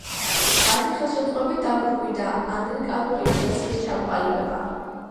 მათი ხელშეწყობით დაგვირგვინდა ანგლიკანური ეკლესიის ჩამოყალიბება.